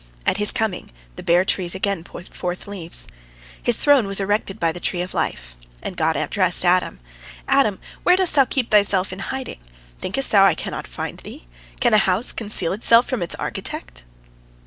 At His coming the bare trees again put forth leaves. His throne was erected by the tree of life, and God addressed Adam: "Adam, where dost thou keep thyself in hiding? Thinkest thou I cannot find thee? Can a house conceal itself from its architect?"